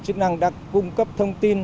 chức năng đã cung cấp thông tin